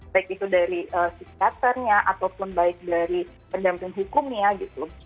baik itu dari psikiaternya ataupun baik dari pendamping hukumnya gitu